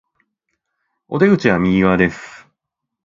お出口は右側です